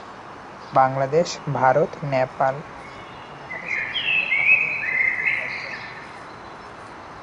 বাংলাদেশ, ভারত, নেপাল ও এ উপমহাদেশের বিভিন্ন পাহাড়ি অঞ্চলে এই গাছ জন্মে।